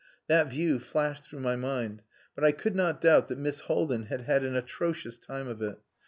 That view flashed through my mind, but I could not doubt that Miss Haldin had had an atrocious time of it.